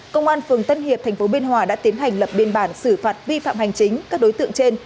công an phường tân hiệp thành phố bên hòa đã tiến hành lập biên bản xử phạt vi phạm hành chính các đối tượng trên